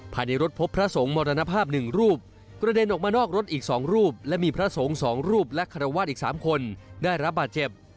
ภายในรถพบพระสงฆ์มรณภาพหนึ่งรูปกระเด็นออกมานอกรถอีก๒รูปและมีพระสงฆ์๒รูปและคารวาสอีก๓คนได้รับบาดเจ็บ